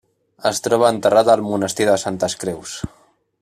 Es troba enterrada al Monestir de Santes Creus.